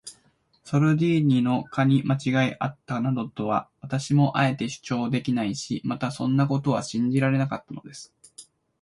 ソルディーニの課にまちがいがあったなどとは、私もあえて主張できないし、またそんなことは信じられなかったのです。